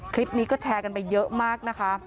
คลิปนี้ก็แชร์กันไปเยอะมากนะคะ